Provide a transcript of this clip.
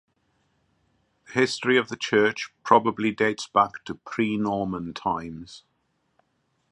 The history of the church probably dates back to pre-Norman times.